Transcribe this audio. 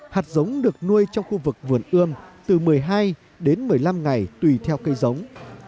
hạt giống được nuôi trong khu vực vườn ươm từ một mươi hai đến một mươi năm ngày tùy theo cây giống